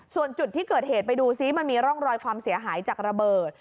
ส่วนจุดที่เกิดเหตุไปดูซิมันมีร่องรอยความเสียหายจากระเบิด